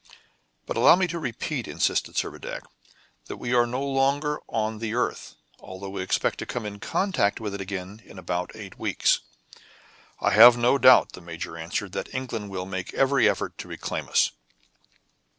"But allow me to repeat," insisted Servadac, "that we are no longer on the earth, although we expect to come in contact with it again in about eight weeks." "I have no doubt," the major answered, "that England will make every effort to reclaim us."